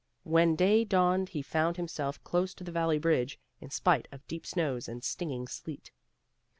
When day dawned he found himself close to the Valley bridge, in spite of deep snows and stinging sleet.